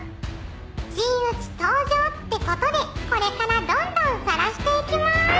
「真打ち登場って事でこれからどんどん晒していきまーす！」